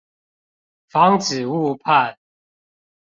防止誤判